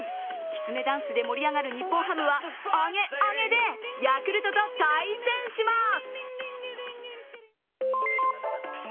きつねダンスで盛り上がる日本ハムはアゲアゲでヤクルトと対戦します。